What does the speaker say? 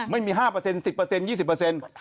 ไม่มี๕เปอร์เซ็นต์๑๐เปอร์เซ็นต์๒๐เปอร์เซ็นต์